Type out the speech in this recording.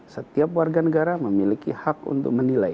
setiap warga negara memiliki hak untuk menilai